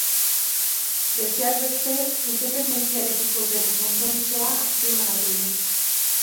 Besteak beste, independentziarekiko bere konpromisoa azpimarratu du.